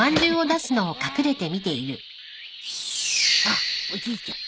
あっおじいちゃん